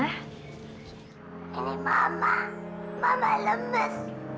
ini mama mama lemes